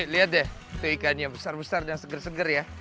lihat deh itu ikannya besar besar dan seger seger ya